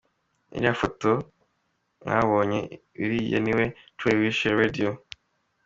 Iriya foto mwabonye, uriya ni we Troy wishe Radio.